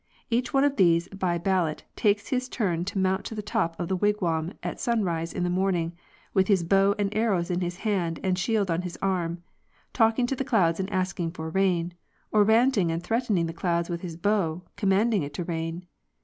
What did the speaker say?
Each one of these, by ballot, takes his turn to mount to the top of the wigwam at sunrise in the morning, with his bow and arrows in his hand and shield on his arm, talking to the clouds and asking for rain, or ranting and threatening the clouds with his bow, commanding it to rain.